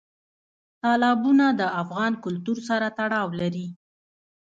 تالابونه د افغان کلتور سره تړاو لري.